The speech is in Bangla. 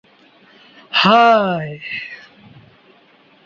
হায়!